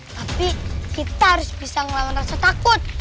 tapi kita harus bisa ngelawan rasa takut